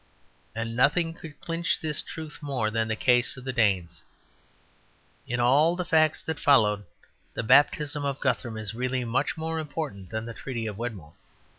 And nothing could clinch this truth more than the case of the Danes. In all the facts that followed, the baptism of Guthrum is really much more important than the Treaty of Wedmore.